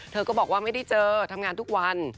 เธอก็บอกว่าไม่ได้เจอทำงานทุกวัน